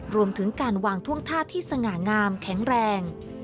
รวมถึงการวางท่วงท่าที่สง่างามแข็งแรง